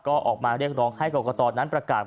ก็ออกมาเรียกร้องให้กรกตนั้นประกาศ